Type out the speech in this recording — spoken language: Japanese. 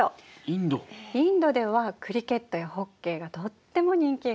インドではクリケットやホッケーがとっても人気があるの。